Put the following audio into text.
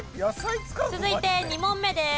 続いて２問目です。